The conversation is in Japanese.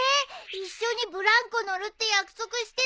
一緒にブランコ乗るって約束してたのにブー